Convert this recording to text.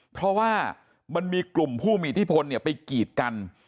เพราะว่ามันมีกลุ่มผู้มีที่พลเนี่ยไปกีดกัน